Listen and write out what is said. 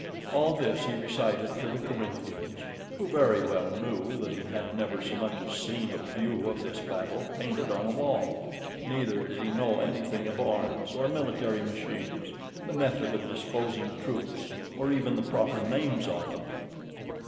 All this he recited to the Corinthians, who very well knew that he had never so much as seen a view of this battle painted on a wall; neither did he know anything of arms, or military machines, the method of disposing troops, or even the proper names of them.